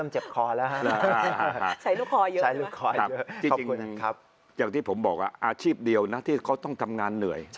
อย่างที่ผมบอกอาชีพเดียวนะที่เขาต้องทำงานเหนื่อย